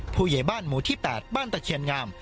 ผู้ใหญ่บ้านหมู่ที่๘บ้านตะเคียนงาม